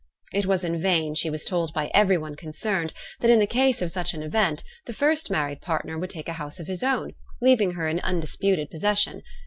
It was in vain she was told by every one concerned, that, in case of such an event, the first married partner should take a house of his own, leaving her in undisputed possession.